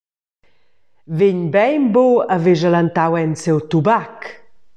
Vegn bein buc a ver schelentau en siu tubac.»